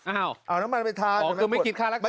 อ้าวเอาน้ำมันไปทานอ๋อก็ไม่คิดค่ารักษา